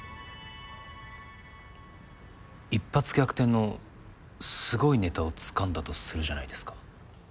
一発逆転のすごいネタをつかんだとするじゃないですか。